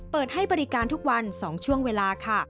เปิดให้บริการทุกวัน๒ช่วงเวลาค่ะ